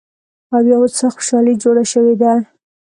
او يا څه خوشحالي جوړه شوې ده